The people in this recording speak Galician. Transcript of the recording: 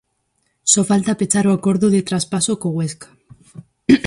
Só falta pechar o acordo de traspaso co Huesca.